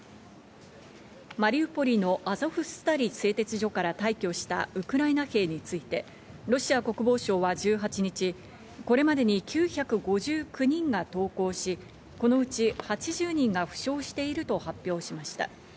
マリウポリのアゾフスタリ製鉄所から退去したウクライナ兵について、ロシア国防省は１８日、これまでに９５９人が投降し、このうち８０人が負傷していると発表しました。